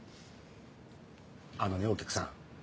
あのねお客さん。